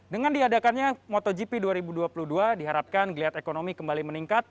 dengan diadakannya motogp dua ribu dua puluh dua diharapkan geliat ekonomi kembali meningkat